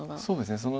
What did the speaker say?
そうですね